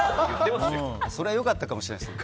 それは良かったかもしれないです。